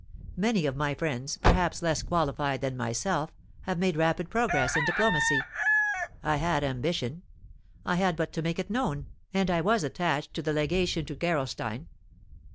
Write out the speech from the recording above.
Many of my friends, perhaps less qualified than myself, had made rapid progress in diplomacy. I had ambition. I had but to make it known, and I was attached to the legation to Gerolstein.